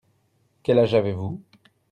Quel âge avez-vous.